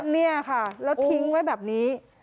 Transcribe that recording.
นี่ค่ะแล้วทิ้งไว้แบบนี้